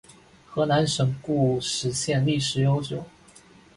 河南省固始县历史悠久